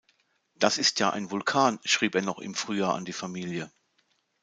Das ist ja ein Vulkan“, schrieb er noch im Frühjahr an die Familie.